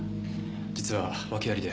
実は訳ありで。